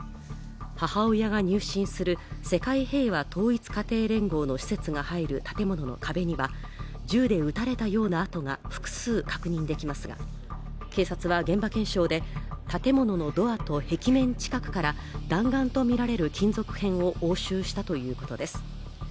母親が入信する世界平和統一家庭連合の施設が入る建物の壁には銃で撃たれたような痕が複数確認できますが警察は現場検証で建物のドアと壁面近くから弾丸とみられる金属片を押収したということです。